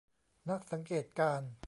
นักสังเกตการณ์